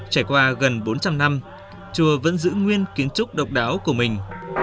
trải qua gần bốn trăm linh năm chùa vẫn giữ nguyên kiến trúc độc đáo của mình